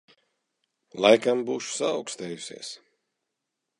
Laikam būšu saaukstējusies.